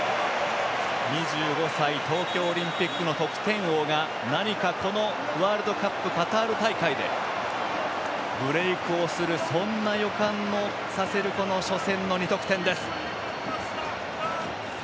２５歳東京オリンピックの得点王が何か、このワールドカップカタール大会でブレークをするそんな予感もさせる初戦の２得点です。